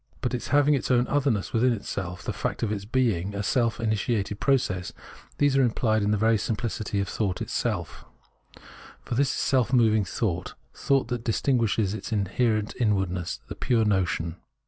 But its having its own otherness within itself, and the fact of its being a self initiated process — these are implied in the very simplicity of thought itself. For Preface 55 this is self moving thought, thought that distinguishes, is inherent inwardness, the pure notion.